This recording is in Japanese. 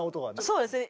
そうですね。